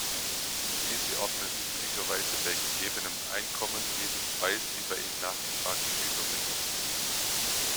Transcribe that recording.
Diese ordnen üblicherweise bei gegebenem Einkommen jedem Preis die bei ihm nachgefragte Gütermenge zu.